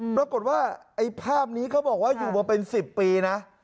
ปรากฏว่าไอ้ภาพนี้เขาบอกว่าอยู่มาเป็น๑๐ปีนะ